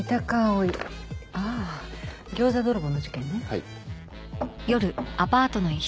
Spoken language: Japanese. はい。